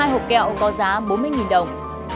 hai hộp kẹo có giá bốn mươi đồng